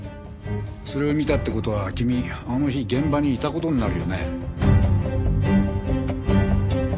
それを見たって事は君あの日現場にいた事になるよね。